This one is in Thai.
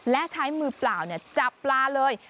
และใช้มือเปล่าจับปลาเลย